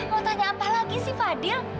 mau tanya apa lagi sih fadil